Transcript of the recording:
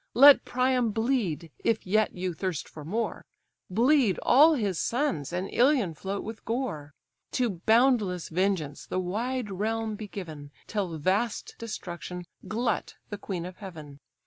Let Priam bleed! if yet you thirst for more, Bleed all his sons, and Ilion float with gore: To boundless vengeance the wide realm be given, Till vast destruction glut the queen of heaven!